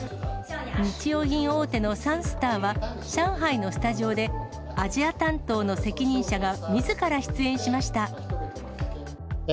日用品大手のサンスターは、上海のスタジオで、アジア担当の責任者がみずから出演しました。